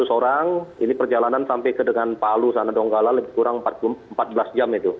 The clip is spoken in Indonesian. seratus orang ini perjalanan sampai ke dengan palu sana donggala lebih kurang empat belas jam itu